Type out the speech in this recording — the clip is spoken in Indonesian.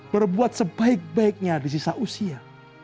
berbuat sebaik baiknya di sisa usia